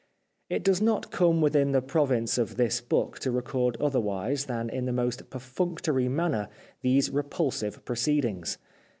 It does not come within the province of this book to record other wise than in the most perfunctory manner these repulsive proceedings.